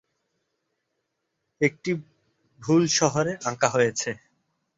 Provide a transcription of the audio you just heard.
একটি 'ভুল' শহরে আঁকা হয়েছে।